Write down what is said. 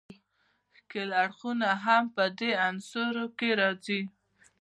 ښکیل اړخونه هم په دې عناصرو کې راځي.